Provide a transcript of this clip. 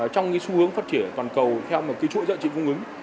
trong xu hướng phát triển toàn cầu theo một chuỗi dự trị vung ứng